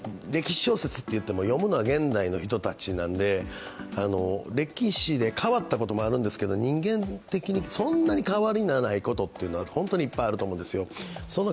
何かそうねなんか結局、嘘の歴史小説って言っても読むのは現代の人たちなんで歴史で変わったこともあるんですけど人間的にそんなに変わりないことっていうのは本当にいっぱいあると思うんですよ。